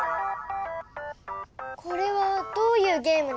これはどういうゲームなのじゃ？